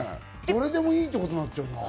誰でもいいってことになっちゃうな。